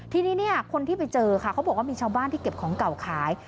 ทีนี้เนี่ยคนที่ไปเจอค่ะเขาบอกว่ามีชาวบ้านที่เก็บของเก่าขาย